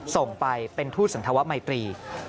ส่งไปเป็นทูตสันธวมัยตรี